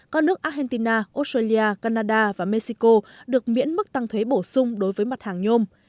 các nước argentina australia canada và mexico được miễn mức tăng thuế bổ sung đối với mặt hàng nhôm